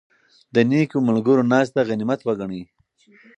د نېکو ملګرو ناسته غنیمت وګڼئ.